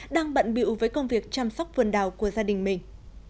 đang bận biệu với công việc chăm sóc vườn đào của gia đình mình